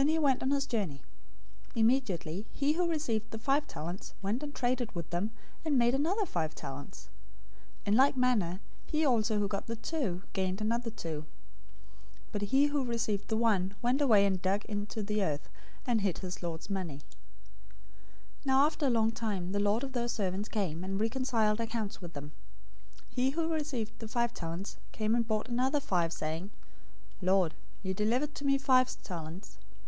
Then he went on his journey. 025:016 Immediately he who received the five talents went and traded with them, and made another five talents. 025:017 In like manner he also who got the two gained another two. 025:018 But he who received the one went away and dug in the earth, and hid his lord's money. 025:019 "Now after a long time the lord of those servants came, and reconciled accounts with them. 025:020 He who received the five talents came and brought another five talents, saying, 'Lord, you delivered to me five talents.